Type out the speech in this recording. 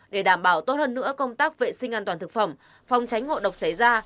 để đảm bảo tốt hơn nữa công tác vệ sinh an toàn thực phẩm phòng tránh ngộ độc xảy ra